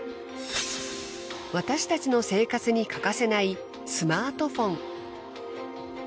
私たちの生活に欠かせないスマートフォン。